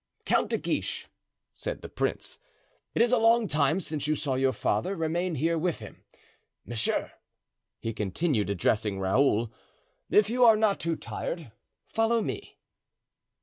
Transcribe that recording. "Count de Guiche," said the prince, "it is a long time since you saw your father, remain here with him. Monsieur," he continued, addressing Raoul, "if you are not too tired, follow me."